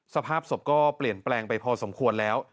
สภาพศพก็เปลี่ยนแปลงไปพอสมควรแล้ว